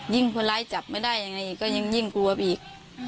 ยิ่งคนร้ายจับไม่ได้ยังไงก็ยิ่งกลัวอีก